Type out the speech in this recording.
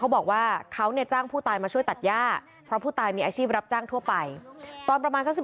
เขาบอกเธอไม่กล้าดูละเขากลัวเลยรีบโทรแจ้งรงค์เจ้าด้านที่ให้มาช่วย